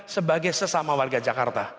sebagai sesama warga jakarta